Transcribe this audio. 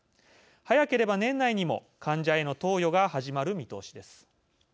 早ければ年内にも患者への投与が始まる見通しです。